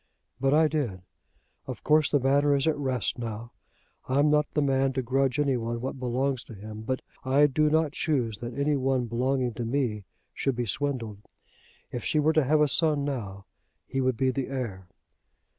"But I did. Of course the matter is at rest now. I'm not the man to grudge any one what belongs to him; but I do not choose that any one belonging to me should be swindled. If she were to have a son now, he would be the heir."